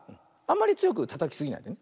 あんまりつよくたたきすぎないで。